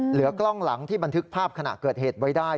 เหลือกล้องหลังที่บันทึกภาพขณะเกิดเหตุไว้ได้